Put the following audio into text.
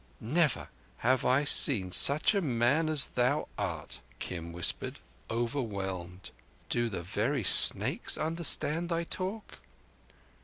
"Never have I seen such a man as thou art," Kim whispered, overwhelmed. "Do the very snakes understand thy talk?"